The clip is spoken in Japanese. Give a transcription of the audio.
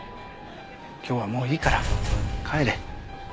今日はもういいから帰れ。